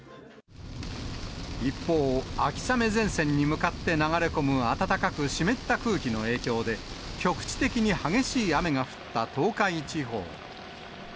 一方、秋雨前線に向かって流れ込む暖かく湿った空気の影響で、局地的に激しい雨が降った東海地方。